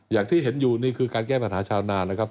อย่างที่เห็นอยู่นี่คือการแก้ปัญหาชาวนานะครับ